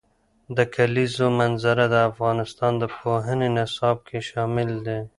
د کلیزو منظره د افغانستان د پوهنې نصاب کې شامل دي.